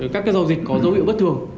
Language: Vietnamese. các cái giao dịch có dấu hiệu bất thường